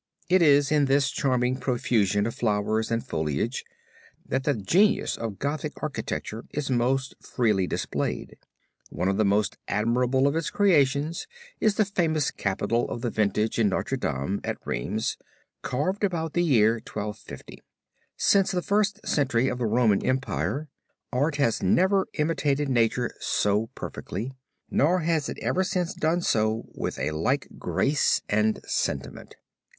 It is in this charming profusion of flowers and foliage that the genius of Gothic architecture is most freely displayed. One of the most admirable of its creations is the famous Capital of the Vintage in Notre Dame at Rheims, carved about the year 1250. Since the first century of the Roman Empire art had never imitated Nature so perfectly, nor has it ever since done so with a like grace and sentiment."